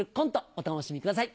お楽しみください。